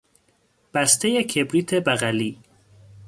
بستهی کبریت بغلی